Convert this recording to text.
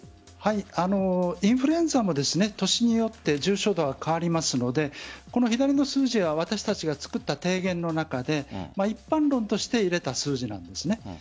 インフルエンザも年によって重症度は変わりますので左の数字は私たちが作った提言の中で一般論として入れた数字なんです。